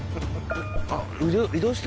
あっ！